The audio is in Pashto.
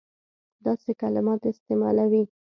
داسي کلمات استعمالوي.